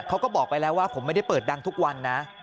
เขาก็บอกไปแล้วว่าผมไม่ได้เปิดดังทุกวันนะ